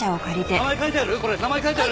名前書いてある？